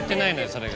それが。